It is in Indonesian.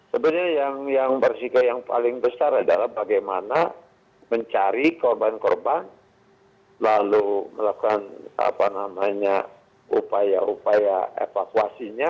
sebenarnya yang bersikap yang paling besar adalah bagaimana mencari korban korban lalu melakukan upaya upaya evakuasinya